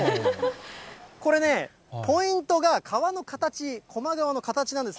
これね、ポイントが川の形、高麗川の形なんです。